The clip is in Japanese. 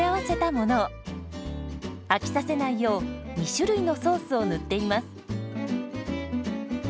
飽きさせないよう２種類のソースを塗っています。